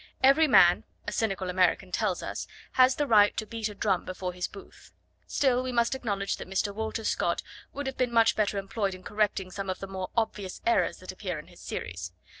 Every man, a cynical American tells us, has the right to beat a drum before his booth. Still, we must acknowledge that Mr. Walter Scott would have been much better employed in correcting some of the more obvious errors that appear in his series.